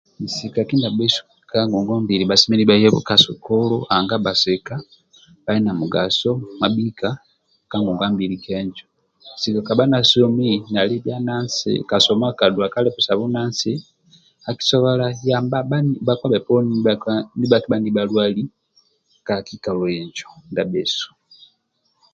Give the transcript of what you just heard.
Nsika kindiabhesu bhasemelelu bhaye ka sukulu nanga bhasika bhali na mugaso mabhika ka ngongwa mbili kenjo nsika kabha na somi nali bhia nansi kasoma duwa ka levo sa bunansi akisobola yamba bhakpa bheponi ndibalwali ka kikalo njo ndia bhesu